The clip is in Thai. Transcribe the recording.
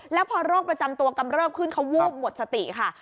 แล้วพอโรคประจำตัวกำเริบขึ้นเขาวูบหมดสติค่ะ